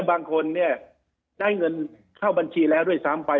บางคนเนี่ยได้เงินเข้าบัญชีแล้วด้วยซ้ำไป